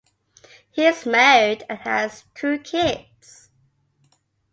He is married and has two kids.